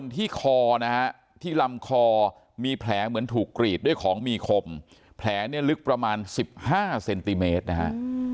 ต่อมีแผลเหมือนถูกกรีดด้วยของมีขมแผลเนี้ยลึกประมาณสิบห้าเซนติเมตรนะฮะ